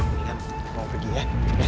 ini ya mau pergi ya